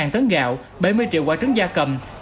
một tấn gạo bảy mươi triệu quả trứng da cầm